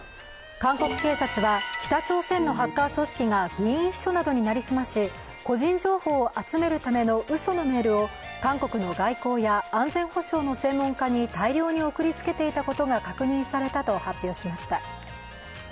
韓国警察は北朝鮮のハッカー組織が議員秘書などに成り済まし個人情報を集めるためのうそのメールを韓国の外交や安全保障の専門家に大量に送りつけていたことが確認されたと発表しました。